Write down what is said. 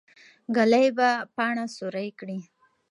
ږلۍ به پاڼه سوری کړي.